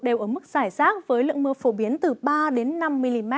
đều ở mức giải rác với lượng mưa phổ biến từ ba năm mm